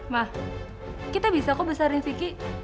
ma kita bisa kok besarin vicky